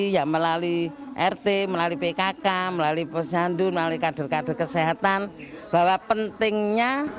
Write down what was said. yang melalui rt melalui pkk melalui posyandu melalui kader kader kesehatan bahwa pentingnya